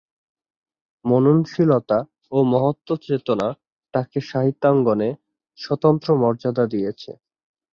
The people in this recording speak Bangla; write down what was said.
মননশীলতা ও মহত্ত্বচেতনা তাঁকে সাহিত্যাঙ্গনে স্বতন্ত্র মর্যাদা দিয়েছে।